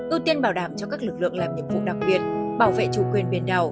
ưu tiên bảo đảm cho các lực lượng làm nhiệm vụ đặc biệt bảo vệ chủ quyền biển đảo